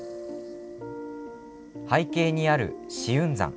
背景にある紫雲山。